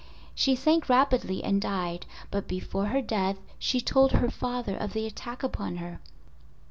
She sank rapidly and died; but before her death she told her father of the attack upon her.